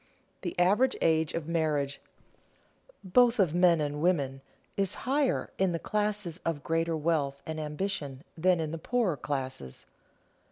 The average age of marriage, both of men and women, is higher in the classes of greater wealth and ambition than in the poorer classes.